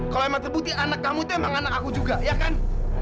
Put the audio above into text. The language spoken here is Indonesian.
kalau emang terbukti anak kamu itu emang anak aku juga ya kan